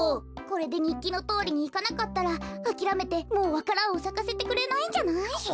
これでにっきのとおりにいかなかったらあきらめてもうわか蘭をさかせてくれないんじゃない？